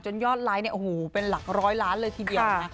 ยอดไลค์เนี่ยโอ้โหเป็นหลักร้อยล้านเลยทีเดียวนะ